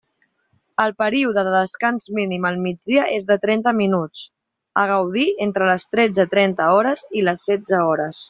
El període de descans mínim al migdia és de trenta minuts, a gaudir entre les tretze trenta hores i les setze hores.